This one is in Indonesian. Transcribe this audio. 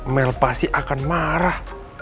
mel pasti akan marah